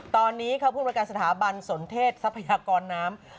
ตอนนี้เขาพูดว่าการสถาบันสนเทศทรัพยากรน้ำ